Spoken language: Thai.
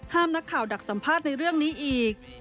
นักข่าวดักสัมภาษณ์ในเรื่องนี้อีก